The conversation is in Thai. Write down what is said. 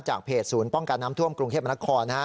จากเพจศูนย์ป้องกัดน้ำท่วมกรุงเทพมนาคมนะฮะ